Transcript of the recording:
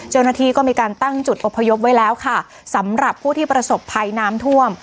เจ้าหน้าที่ก็มีการตั้งจุดอพยพไว้แล้วค่ะสำหรับผู้ที่ประสบภัยน้ำท่วม